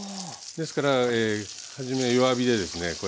ですから初め弱火でですね